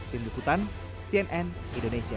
tim dukutan cnn indonesia